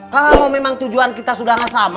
nin kalo memang tujuan kita sudah ga sama